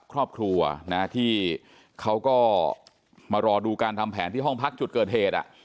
ครอบครัวนะที่เขาก็มารอดูการทำแผนที่ห้องพักจุดเกิดเหตุ